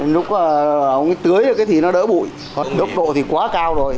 lúc tưới thì nó đỡ bụi độ thì quá cao rồi